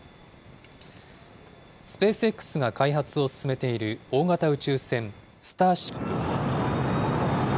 スペースＸが開発を進めている大型宇宙船スターシップ。